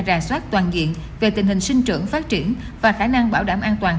ra soát toàn diện về tình hình sinh trưởng phát triển và khả năng bảo đảm an toàn